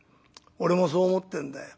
俺もそう思ってんだよ。